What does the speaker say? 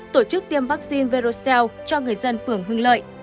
tổ chức tiêm vaccine veroxelle cho người dân phường hưng lợi